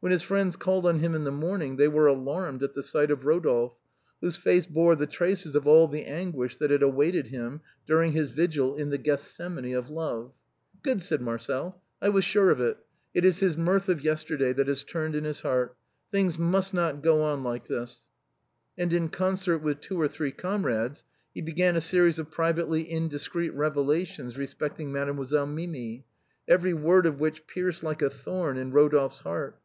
When his friends called on him in the morning they were alarmed at the sight of Rodolphe, whose face bore the traces of all the anguish that had awaited him during his vigil in the Gethsemane of love. ' Good !" said Marcel, " I was sure of it; it is his mirth MADEMOISELLE MIMI. 177 of yesterday that has turned in his heart. Things must not go on like this." And in concert with two or three comrades he began a series of privately indiscreet revelations respecting Made moiselle Minii, every word of which pierced like a thorn to Rodolphe's heart.